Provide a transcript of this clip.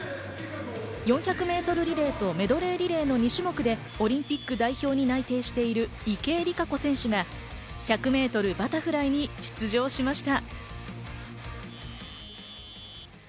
４００ｍリレーとメドレーリレーの２種目でオリンピック代表に内定している池江璃花子選手が１００ｍバタフライに出場しました。